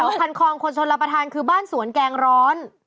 คันคลองคนชนรับประทานคือบ้านสวนแกงร้อน